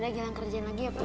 ada jalan kerjaan lagi ya pak